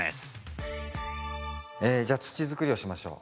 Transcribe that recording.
じゃあ土づくりをしましょう。